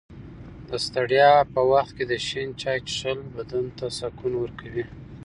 د ستړیا په وخت کې د شین چای څښل بدن ته سکون ورکوي.